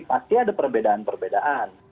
pasti ada perbedaan perbedaan